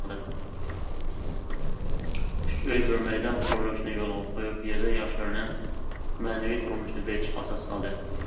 ‹‹ ئۈچ ئۆي، بىر مەيدان›› قۇرۇلۇشىنى يولغا قويۇپ، يېزا ياشلىرىنىڭ مەنىۋى تۇرمۇشىنى بېيىتىشقا ئاساس سالدى.